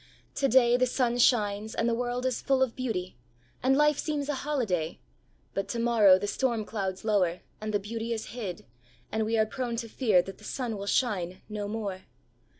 To day the sun shines and the world is full of beauty, and life seems a holiday, but to morrow the storm clouds lower and the beauty is hid, and we are prone to fear that the sun will shine no more.